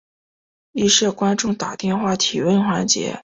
亦设观众打电话提问环节。